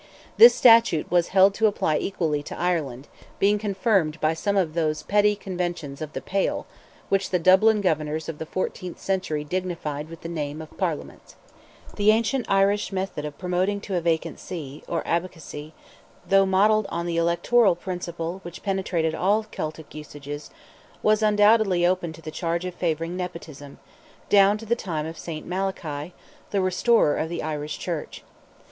This statute was held to apply equally to Ireland, being confirmed by some of those petty conventions of "the Pale," which the Dublin Governors of the fourteenth century dignified with the name of Parliaments. The ancient Irish method of promotion to a vacant see, or abbacy, though modelled on the electoral principle which penetrated all Celtic usages, was undoubtedly open to the charge of favouring nepotism, down to the time of Saint Malachy, the restorer of the Irish Church.